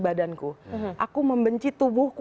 badanku aku membenci tubuhku